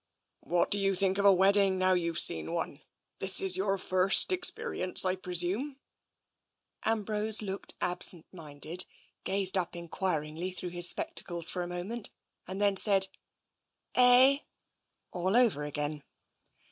" What do you think of a wedding, now you've seen one? This is your first experience, I presume?" Ambrose looked absent minded, gazed up enquir ingly through his spectacles for a moment, and then said, " Eh? " all over again.